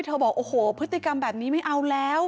บอกโอ้โหพฤติกรรมแบบนี้ไม่เอาแล้ว